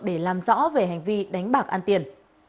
để làm rõ về hành vi đánh bạc an tiền